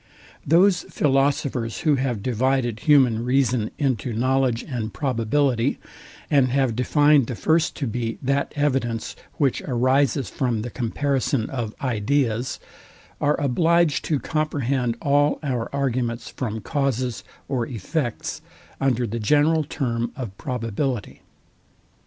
Those philosophers, who have divided human reason into knowledge and probability, and have defined the first to be that evidence, which arises from the comparison of ideas, are obliged to comprehend all our arguments from causes or effects under the general term of probability.